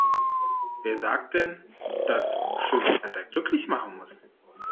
Wer sagt denn, dass schönes Wetter glücklich machen muss?